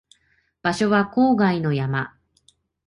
場所は郊外の山